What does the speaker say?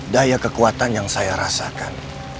daya kekuatan yang saya rasakan